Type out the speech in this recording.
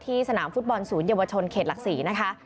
สนามฟุตบอลศูนยวชนเขตหลักศรีนะคะ